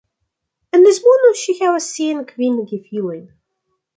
En Lisbono ŝi havas siajn kvin gefilojn.